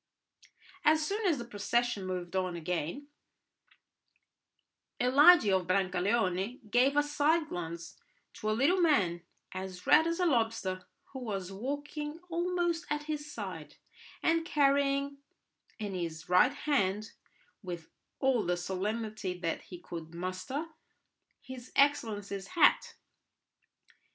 As soon as the procession moved on again, Eligi of Brancaleone gave a side glance to a little man as red as a lobster, who was walking almost at his side, and carrying in his right hand, with all the solemnity that he could muster, his excellency's hat.